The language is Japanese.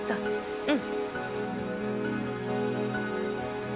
うん。